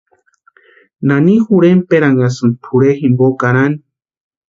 ¿Nani jorhenperanhasïni pʼorhe jimpo karani?